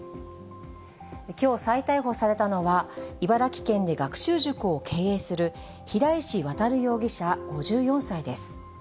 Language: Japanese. きょう再逮捕されたのは、茨城県で学習塾を経営する、平石渉容疑者５４歳です。